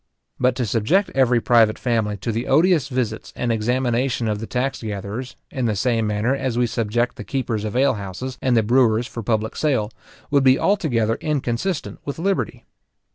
But to subject every private family to the odious visits and examination of the tax gatherers, in the same manner as we subject the keepers of ale houses and the brewers for public sale, would be altogether inconsistent with liberty.